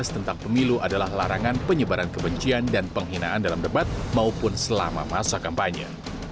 tentang pemilu adalah larangan penyebaran kebencian dan penghinaan dalam debat maupun selama masa kampanye